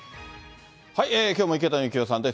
きょうも池谷幸雄さんです。